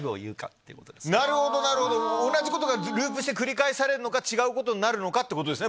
なるほどなるほど同じことがループして繰り返されるのか違うことになるのかってことですね